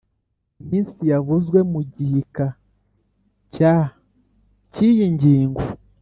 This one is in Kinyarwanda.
Iminsi yavuzwe mu gika cya cy iyi ngingo